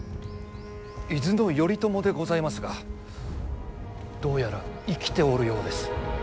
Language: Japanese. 伊豆の頼朝でございますがどうやら生きておるようです。